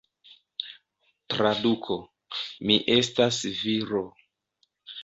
Traduko: Mi estas viro.